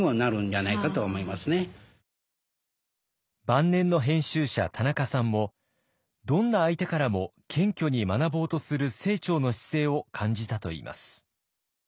晩年の編集者田中さんもどんな相手からも謙虚に学ぼうとする清張の姿勢を感じたといいます。